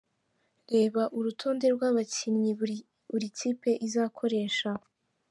Reba Urutonde rw’abakinnyi buri kipe izakoresha.